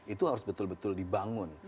itu harus betul betul dibangun